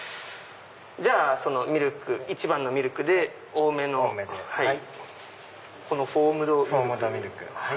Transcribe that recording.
じゃあ１番のミルクで多めフォームドミルク。